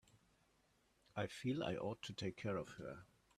I feel I ought to take care of her.